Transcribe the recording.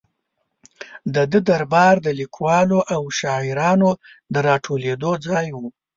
د ده دربار د لیکوالو او شاعرانو د را ټولېدو ځای و.